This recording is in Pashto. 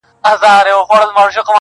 خندا د انسان انرژي زیاتوي